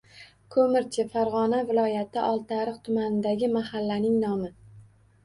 Ko‘mirchi - Farg‘ona viloyati Oltiariq tumanidagi mahallaning nomi.